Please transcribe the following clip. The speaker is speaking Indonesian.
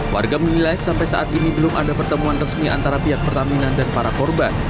warga menilai sampai saat ini belum ada pertemuan resmi antara pihak pertamina dan para korban